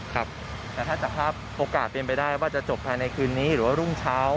ครับแต่ถ้าจับภาพโอกาสเป็นไปได้ว่าจะจบภายในคืนนี้หรือว่ารุ่งเช้า